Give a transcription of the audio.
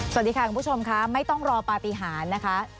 สวัสดีค่ะคุณผู้ชมค่ะไม่ต้องรอปฏิหารนะคะ